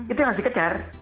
itu yang harus dikejar